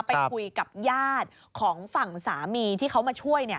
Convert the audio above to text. ไปคุยกับญาติของฝั่งสามีที่เขามาช่วย